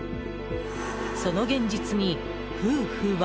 その現実に夫婦は。